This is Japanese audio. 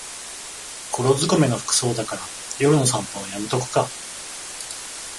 黒ずくめの服装だから夜の散歩はやめとくか